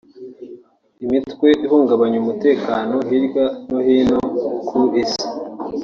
imitwe ihungabanya umutekano hirya no hino ku isi